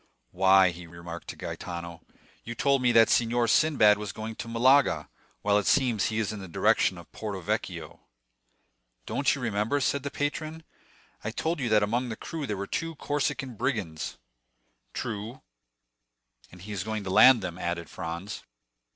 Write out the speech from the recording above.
"Why," he remarked to Gaetano, "you told me that Signor Sinbad was going to Malaga, while it seems he is in the direction of Porto Vecchio." "Don't you remember," said the patron, "I told you that among the crew there were two Corsican brigands?" "True; and he is going to land them," added Franz.